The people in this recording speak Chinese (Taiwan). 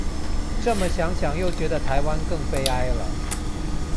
這麼想想又覺得台灣更悲哀了